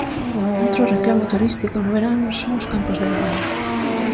E outro reclamo turístico no verán son os campos de lavanda.